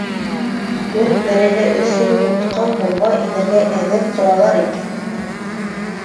Бер-береһе өсөн утҡа-һыуға инергә әҙер торалар икән.